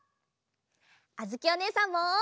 あづきおねえさんも！